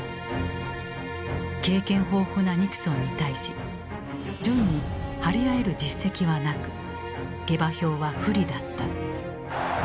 経験豊富なニクソンに対しジョンに張り合える実績はなく下馬評は不利だった。